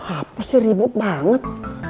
apa sih ribut banget